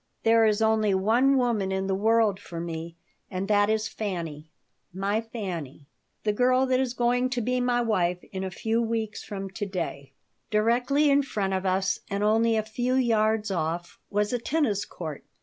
"There is only one woman in the world for me, and that is Fanny, my Fanny, the girl that is going to be my wife in a few weeks from to day Directly in front of us and only a few yards off was a tennis court.